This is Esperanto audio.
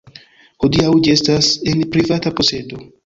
Hodiaŭ ĝi estas en privata posedo.